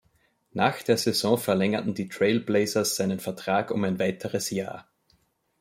Nach der Saison verlängerten die Trailblazers seinen Vertrag um ein weiteres Jahr.